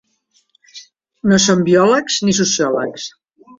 No són biòlegs ni sociòlegs.